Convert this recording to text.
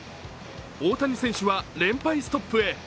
大谷選手は連敗ストップへ。